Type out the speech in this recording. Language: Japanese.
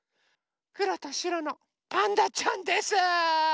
くろとしろのパンダちゃんです。